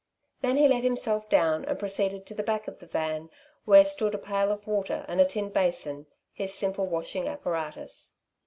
Then he let himself down and proceeded to the back of the van, where stood a pail of water and a tin basin, his simple washing apparatus.